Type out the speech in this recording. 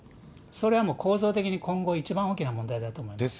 それはもう構造的に今後一番大きな問題だと思います。